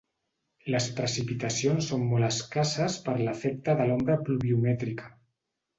Les precipitacions són molt escasses per l'efecte de l'ombra pluviomètrica.